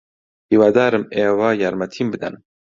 ھیوادارم ئێوە یارمەتیم بدەن.